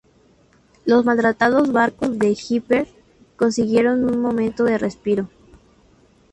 Los maltratados barcos de Hipper consiguieron un momento de respiro.